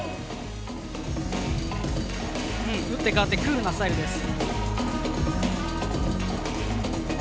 打って変わってクールなスタイルです。